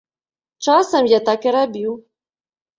Часам я так і рабіў.